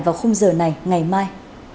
vào khung giờ này ngày mai